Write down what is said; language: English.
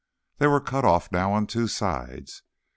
They were cut off now on two sides.